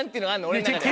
俺の中で。